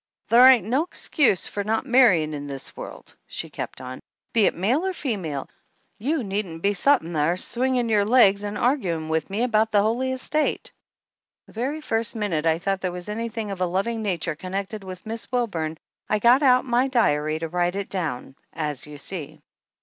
Thar ain't nothin' no excuse for not marryin' in this world," she kept on, "be it male or female. You needn't be settin' thar swingin' your legs and arguin' with me about the holy estate !" The very first minute I thought there was any thing of a loving nature connected with Miss Wilburn I got out my diary to write it down, as you see.